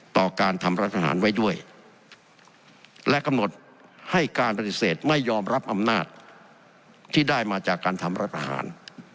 ต่อการทำรัฐประหารไว้ด้วยและกำหนดให้การปฏิเสธไม่ยอมรับอำนาจที่ได้มาจากการทำรัฐประหาร